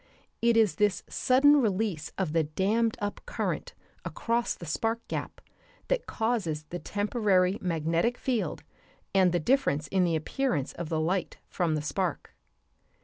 It is this sudden release of the dammed up current across the spark gap that causes the temporary magnetic field and the difference in the appearance of the light from the spark.